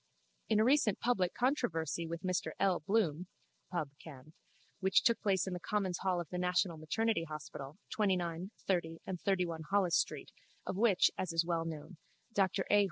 In a recent public controversy with Mr L. Bloom (Pubb. Canv.) which took place in the commons' hall of the National Maternity Hospital, 29, 30 and 31 Holles street, of which, as is well known, Dr A.